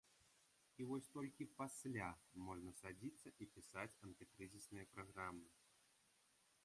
І вось толькі пасля можна садзіцца і пісаць антыкрызісныя праграмы.